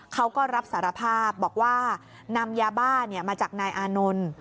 เขาก็รับสารภาพบอกว่านำยาบ้ามาจากนายอานนท์